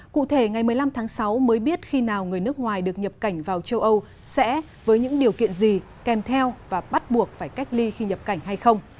cụ thể ngày một mươi năm tháng sáu mới biết khi nào người nước ngoài được nhập cảnh vào châu âu sẽ với những điều kiện gì kèm theo và bắt buộc phải cách ly khi nhập cảnh hay không